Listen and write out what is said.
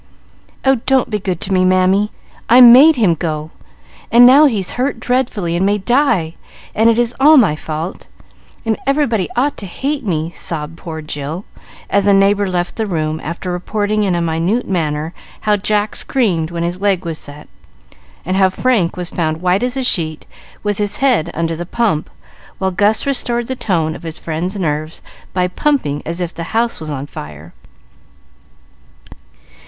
"Oh, don't be good to me, Mammy; I made him go, and now he's hurt dreadfully, and may die; and it is all my fault, and everybody ought to hate me," sobbed poor Jill, as a neighbor left the room after reporting in a minute manner how Jack screamed when his leg was set, and how Frank was found white as a sheet, with his head under the pump, while Gus restored the tone of his friend's nerves, by pumping as if the house was on fire.